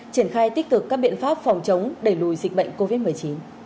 triển khai tích cực các biện pháp phòng chống đẩy lùi dịch bệnh covid một mươi chín